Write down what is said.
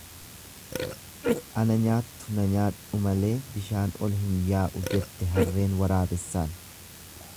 Ana nyaattu na nyaadhu malee, bishaan ol hin yaa'u jette harreen waraabessaan.